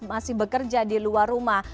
masih bekerja di luar rumah